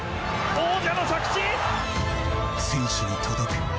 選手に届け。